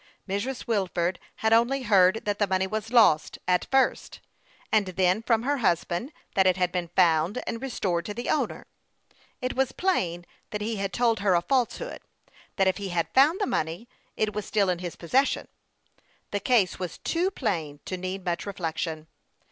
Mrs. Wilford had only heard that the money was lost, at first ; and then, from her husband, that it THE YOUNG PILOT OF LAKE CHAMPLAIN. 85 had been found and restored to the owner. It was plain that he had told her a falsehood ; that if he had found the money, it was still in his possession. The case was too plain to need much reflection.